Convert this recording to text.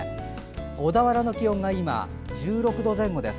小田原の気温が今１６度前後です。